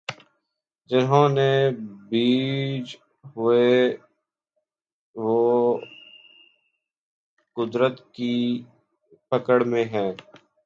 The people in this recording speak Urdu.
جنہوں نے یہ بیج بوئے وہ قدرت کی پکڑ میں ہیں۔